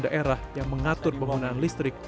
ada peraturan daerah yang mengatur penggunaan listrik